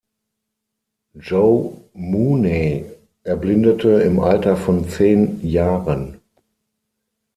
Joe Mooney erblindete im Alter von zehn Jahren.